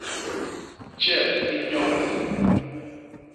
Tjep i nyogla.